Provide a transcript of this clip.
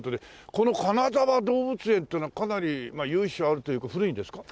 この金沢動物園っていうのはかなり由緒あるというか古いんですか？